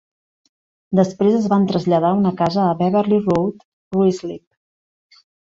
Després es van traslladar a una casa a Beverley Road, Ruislip.